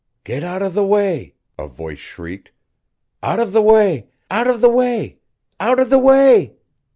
"Get out of the way!" a voice shrieked "out of the way, out of the way, OUT OF THE WAY!"